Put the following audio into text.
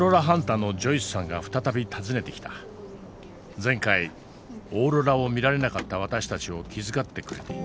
前回オーロラを見られなかった私たちを気遣ってくれていた。